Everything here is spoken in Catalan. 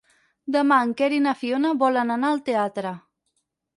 Demà en Quer i na Fiona volen anar al teatre.